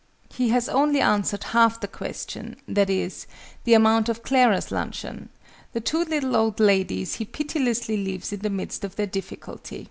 He has only answered half the question, viz. the amount of Clara's luncheon: the two little old ladies he pitilessly leaves in the midst of their "difficulty."